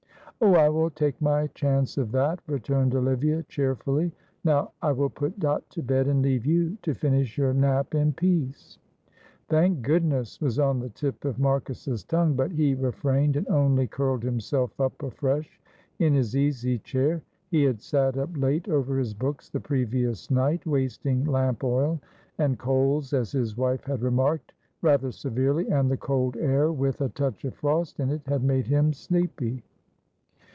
"Oh, I will take my chance of that," returned Olivia, cheerfully. "Now I will put Dot to bed, and leave you to finish your nap in peace." "Thank goodness!" was on the tip of Marcus's tongue, but he refrained and only curled himself up afresh in his easy chair. He had sat up late over his books the previous night, wasting lamp oil and coals, as his wife had remarked, rather severely, and the cold air, with a touch of frost in it, had made him sleepy.